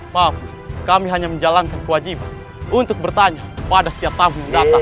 maaf gusti kami hanya menjalankan kewajiban untuk bertanya pada setiap tamu mendatang